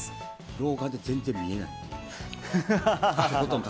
老化で全然見えない。